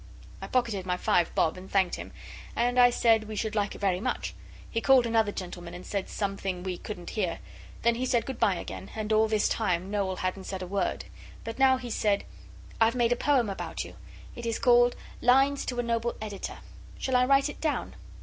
I pocketed my five bob, and thanked him, and I said we should like it very much. He called another gentleman and said something we couldn't hear. Then he said good bye again; and all this time Noel hadn't said a word. But now he said, 'I've made a poem about you. It is called "Lines to a Noble Editor." Shall I write it down?